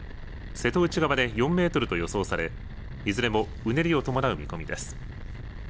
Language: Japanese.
瀬戸内側で４メートルと予想されいずれもうねりを伴う見込みです。